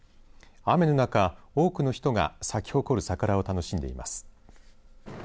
雨の中、多くの人が咲き誇る桜を楽しんでいます。